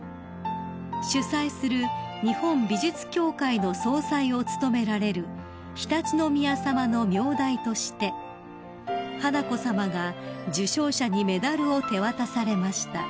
［主催する日本美術協会の総裁を務められる常陸宮さまの名代として華子さまが受賞者にメダルを手渡されました］